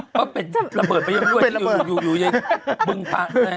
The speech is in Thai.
เพราะเป็ดระเบิดไปยังด้วยที่อยู่ยังเบิ่งฟ้าแน่